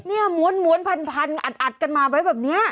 ม้วนพันอัดกันมาไว้แบบนี้